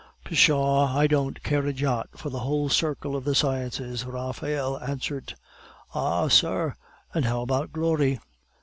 "Pshaw! I don't care a jot for the whole circle of the sciences," Raphael answered. "Ah, sir, and how about glory?"